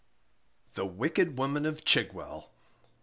THE WICKED WOMAN OF CHIGWELL.